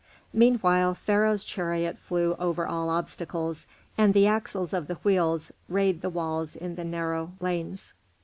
Meanwhile Pharaoh's chariot flew over all obstacles, and the axles of the wheels rayed the walls in the narrow lanes.